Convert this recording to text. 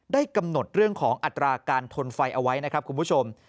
กำหนดเรื่องของอัตราการทนไฟเอาไว้นะครับคุณผู้ชม